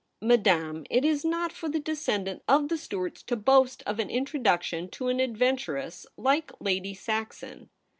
* Madame, it is not for the descendant of the Stuarts to boast of an introduction to an adventuress like Lady Saxon.'